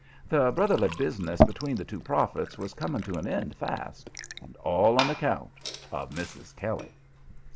The brotherly business between the two prophets was coming to an end fast, and all on account of Mrs. Kelly.